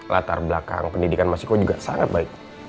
latar belakang pendidikan mas iko juga sangat baik